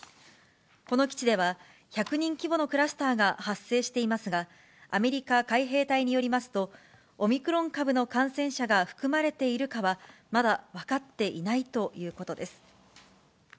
この基地では、１００人規模のクラスターが発生していますが、アメリカ海兵隊によりますと、オミクロン株の感染者が含まれているかは、まだ分かっていないということです。